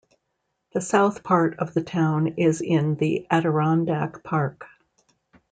The south part of the town is in the Adirondack Park.